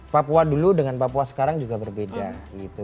papua dulu dengan papua sekarang juga berbeda gitu